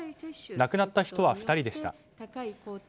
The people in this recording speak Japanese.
亡くなった人は２人でした。